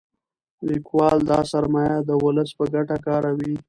لیکوال دا سرمایه د ولس په ګټه کاروي.